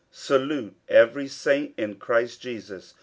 50:004:021 Salute every saint in Christ Jesus.